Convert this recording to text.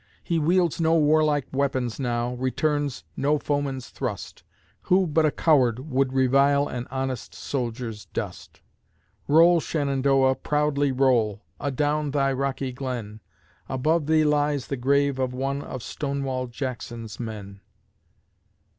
He wields no warlike weapons now, Returns no foeman's thrust, Who but a coward would revile An honest soldier's dust? Roll, Shenandoah, proudly roll, Adown thy rocky glen, Above thee lies the grave of one Of Stonewall Jackson's men.